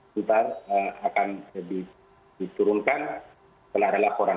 kita akan diturunkan ke lari laporan